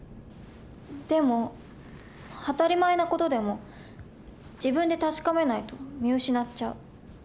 でも当たり前の事でも自分で確かめないと見失っちゃう。